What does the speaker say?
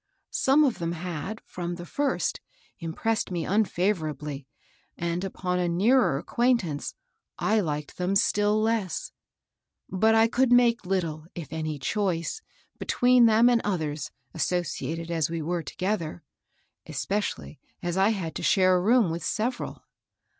Some of them had, from the first, impressed me unfavorably, and upon a nearer acquaintance I Uked them still less. But I could make Uttle, if any, choice between them and others, associated as we were together; es pecially as I had to share a room with sev eral.